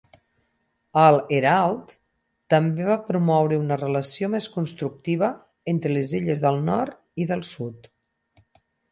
El "Herald" també va promoure una relació més constructiva entre les illes del nord i del sud.